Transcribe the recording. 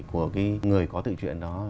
của cái người có tự chuyện đó